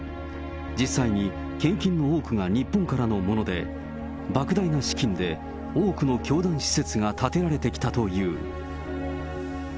実際に献金の多くが日本からのもので、ばく大な資金で多くの教団施設が建てられてきたという。